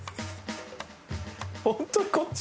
ホントにこっち？